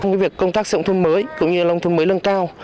với việc công tác xây dựng thôn mới cũng như nông thôn mới nâng cao